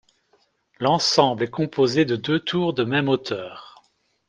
L'ensemble est composé de deux tours de même hauteur.